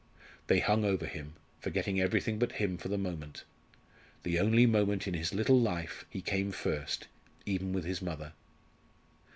They hung over him, forgetting everything but him for the moment the only moment in his little life he came first even with his mother.